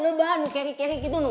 lebah lu carry carry gitu